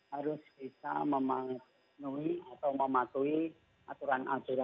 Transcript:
harus bisa memenuhi atau mematuhi aturan aturan